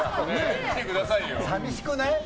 寂しくない？